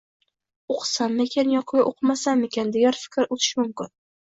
“o‘qisammikin yoki o‘qimasammikin”, degan fikr o'tishi mumkin.